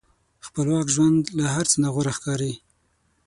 خپلواک ژوند له هر څه نه غوره ښکاري.